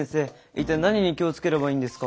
一体何に気を付ければいいんですか？